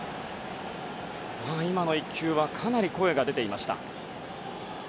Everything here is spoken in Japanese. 今の１球はかなり声が出ていました。